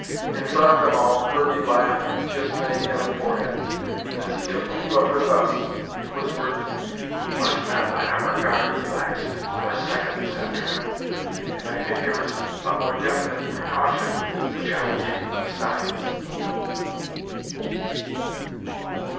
In front of them all, Kirby laughed and kissed Naida on the forehead. But as he took leave of her thus, he whispered: "We must not let our guard relax for a second this afternoon. And I think there is a more definite precaution which I will take, besides."